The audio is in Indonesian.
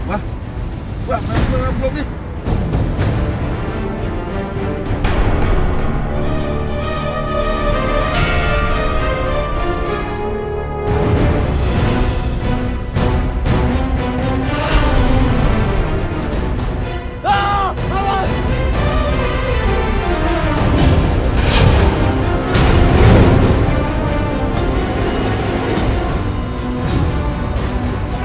emak enggak boleh nggak boleh